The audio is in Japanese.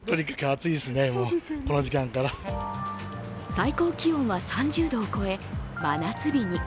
最高気温は３０度を超え、真夏日に。